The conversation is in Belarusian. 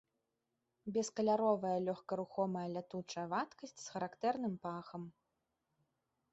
Бескаляровая лёгкарухомая лятучая вадкасць з характэрным пахам.